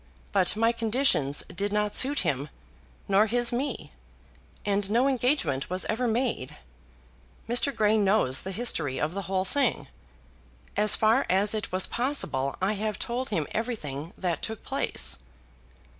But my conditions did not suit him, nor his me, and no engagement was ever made. Mr. Grey knows the history of the whole thing. As far as it was possible I have told him everything that took place."